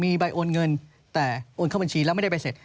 มีใบโอนเงินแต่โอนเข้าบัญชีแล้วไม่ได้ใบเสร็จ